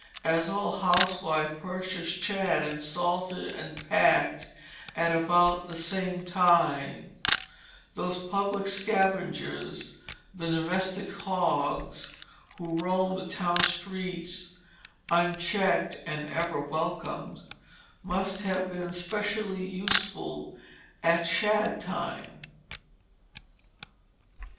As all housewives purchased shad and salted and packed at about the same time, those public scavengers, the domestic hogs who roamed the town streets unchecked (and ever welcomed), must have been specially useful at shad time.